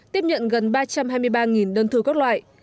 tiếp nhận gần ba trăm hai mươi ba đơn thư các loại